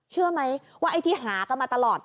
เชื่อไหมว่าไอ้ที่หากันมาตลอด